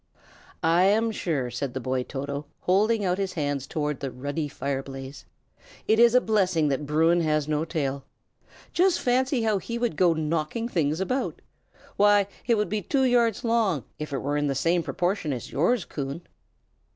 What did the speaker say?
"I am sure," said the boy Toto, holding out his hands toward the ruddy fire blaze, "it is a blessing that Bruin has no tail. Just fancy how he would go knocking things about! Why, it would be two yards long, if it were in the same proportion as yours, Coon!"